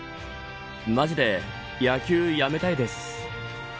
マジで野球やめたいです。